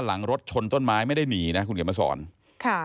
หลังรถชนต้นไม้ไม่ได้หนีนะ